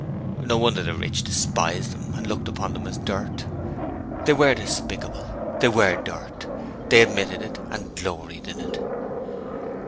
No wonder the rich despised them and looked upon them as dirt. They WERE despicable. They WERE dirt. They admitted it and gloried in it.